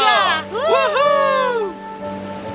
maui dikit dikit atarangga